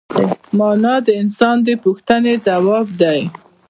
مانا د انسان د پوښتنې ځواب دی.